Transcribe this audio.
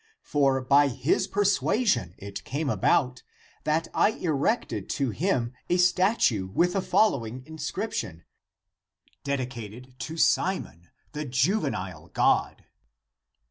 For by his persuasion it came about, that I erected to him a statue ^^ with the following inscription: (Dedi cated) to Simon, the juvenile god.